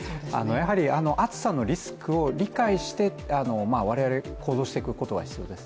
やはり暑さのリスクを理解して我々、行動していくことが必要です。